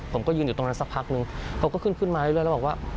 ผมก็ยืนอยู่ตรงนั้นสักพักนึงเขาก็ขึ้นขึ้นมาเรื่อยแล้วบอกว่า